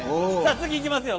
次いきますよ。